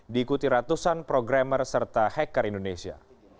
diikuti ratusan programmer serta hacker indonesia